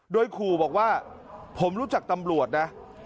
โดยขู่บอกว่าผมรู้จักตำรวจนะ